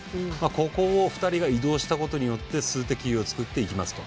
ここを２人が移動したことによって数的優位を作っていきますと。